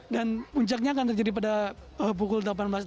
dan puncaknya akan terjadi pada pukul delapan belas delapan belas